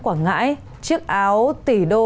quảng ngãi chiếc áo tỷ đô